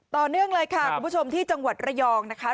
ต่อเนื่องเลยค่ะคุณผู้ชมที่จังหวัดระยองนะคะ